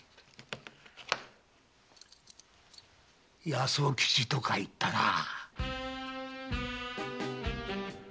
「八十吉」とかいったなあ。